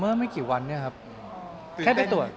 เมื่อไม่กี่วันเนี่ยครับแค่ไปตรวจ